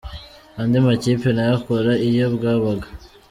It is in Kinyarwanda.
"Andi makipe nayo akora iyo bwabaga".